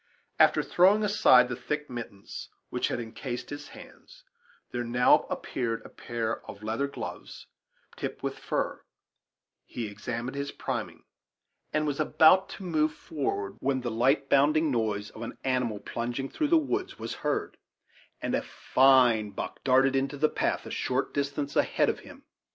After throwing aside the thick mittens which had encased his hands, there now appeared a pair of leather gloves tipped with fur; he examined his priming, and was about to move forward, when the light bounding noise of an animal plunging through the woods was heard, and a fine buck darted into the path a short distance ahead of him.